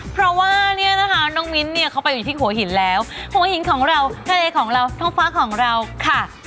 เพราะว่านี่นะคะจะน้องมิ้นทร์เพราะว่าน้องมิ้นทร์ของเราอะ